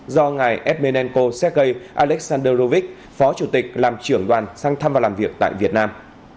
do ngài edmenenko sergei aleksandrovich phó chủ tịch làm trưởng đoàn sang thăm và làm việc tại việt nam